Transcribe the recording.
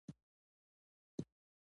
د وچ ټوخي لپاره د کوم شي شیدې وڅښم؟